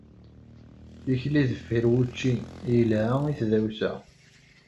Tikli deffir wučči yelha i tdawsa.